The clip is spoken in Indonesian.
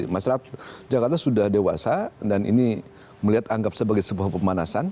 masyarakat jakarta sudah dewasa dan ini melihat anggap sebagai sebuah pemanasan